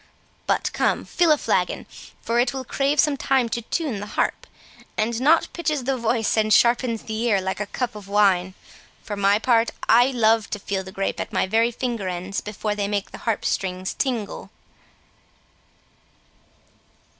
But come, fill a flagon, for it will crave some time to tune the harp; and nought pitches the voice and sharpens the ear like a cup of wine. For my part, I love to feel the grape at my very finger ends before they make the harp strings tinkle."